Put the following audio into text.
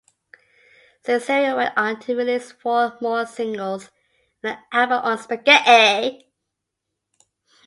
Cicero went on to release four more singles and an album on Spaghetti.